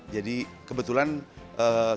jadi kebetulan kita hanya sekitar dua ratus meter